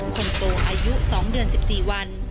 คนโตอายุ๒เดือน๑๔วัน